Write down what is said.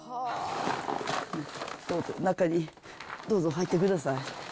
どうぞ、中に、どうぞ、入ってください。